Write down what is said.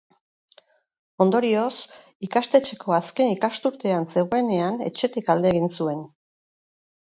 Ondorioz, ikastetxeko azken ikasturtean zegoenean etxetik alde egin zuen.